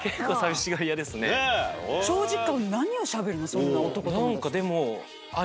そんな男友達と。